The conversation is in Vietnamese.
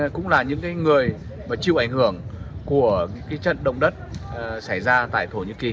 cũng là những người chịu ảnh hưởng của trận động đất xảy ra tại thổ nhĩ kỳ